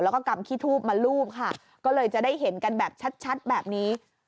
แล้วก็กำขี้ทูบมารูปค่ะก็เลยจะได้เห็นกันแบบชัดแบบนี้